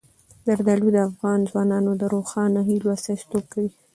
زردالو د افغان ځوانانو د روښانه هیلو استازیتوب کوي.